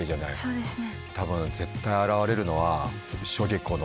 そうですね。